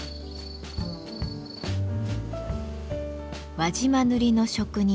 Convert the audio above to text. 輪島塗の職人